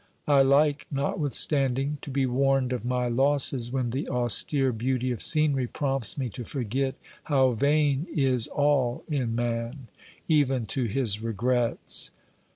I like, notwithstanding, to be warned of my losses when the austere beauty of scenery prompts me to forget how vain is all in man, even to his regrets.